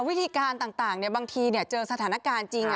วิธีการต่างบางทีเจอสถานการณ์จริง